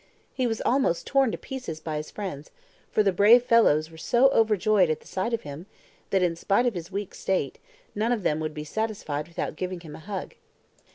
He was almost torn to pieces by his friends, for the brave fellows were so overjoyed at the sight of him, that in spite of his weak state, none of them would be satisfied without giving him a hug.